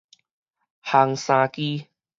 烘衫機